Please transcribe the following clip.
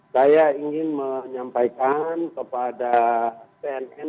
saya ingin menyampaikan kepada pnn